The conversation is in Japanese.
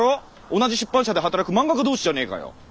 同じ出版社で働く漫画家同士じゃあねーかよ。